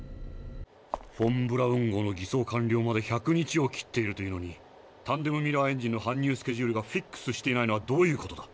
フォン・ブラウン号の艤装完了まで１００日を切っているというのにタンデム・ミラー・エンジンのはん入スケジュールがフィックスしていないのはどういうことだ？